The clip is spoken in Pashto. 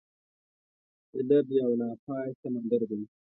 علم يو ناپايه سمندر دی.